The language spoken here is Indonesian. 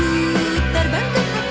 terbang ke petas ke langit ketujuh